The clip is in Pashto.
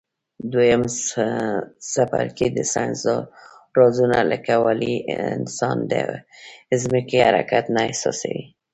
دویم څپرکی د ساینس رازونه لکه ولي انسان د ځمکي حرکت نه احساسوي.